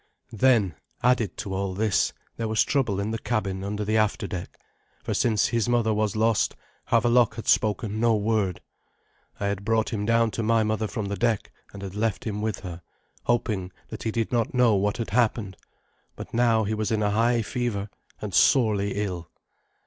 Then, added to all this, there was trouble in the cabin under the after deck, for since his mother was lost, Havelok had spoken no word. I had brought him down to my mother from the deck, and had left him with her, hoping that he did not know what had happened; but now he was in a high fever, and sorely ill.